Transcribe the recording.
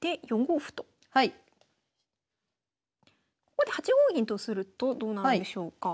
ここで８五銀とするとどうなるんでしょうか。